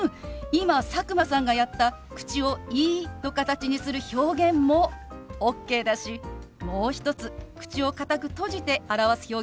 今佐久間さんがやった口を「イー」の形にする表現もＯＫだしもう一つ口を堅く閉じて表す表現もあるのよ。